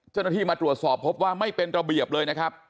เจ้าหน้าที่มาตรวจสอบพบว่าไม่เป็นระเบียบเลยนะครับ